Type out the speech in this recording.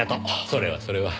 それはそれは。